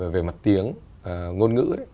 về mặt tiếng ngôn ngữ